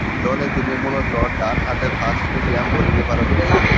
দলে তিনি মূলতঃ ডানহাতে ফাস্ট মিডিয়াম বোলিংয়ে পারদর্শী।